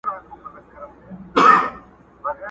چي یې زړه شي په هغه اور کي سوځېږم.!